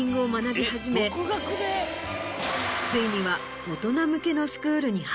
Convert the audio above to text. ついには。